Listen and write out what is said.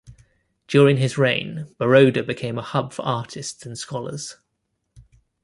During his reign, Baroda became a hub for artists and scholars.